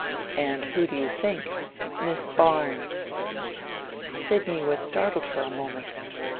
'And who do you think? Miss Barnes.' Sidney was startled for a moment.